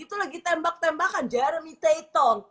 itu lagi tembak tembakan jeremy taitong